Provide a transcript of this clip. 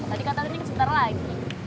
tadi kan tadi nih sebentar lagi